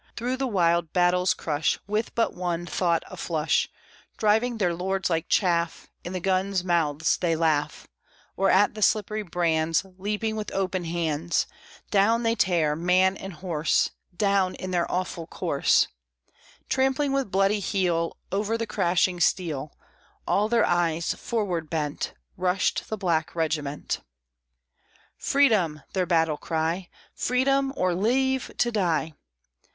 Through the wild battle's crush, With but one thought aflush, Driving their lords like chaff, In the guns' mouths they laugh; Or at the slippery brands, Leaping with open hands, Down they tear man and horse, Down in their awful course; Trampling with bloody heel Over the crashing steel, All their eyes forward bent, Rushed the black regiment. "Freedom!" their battle cry, "Freedom! or leave to die!"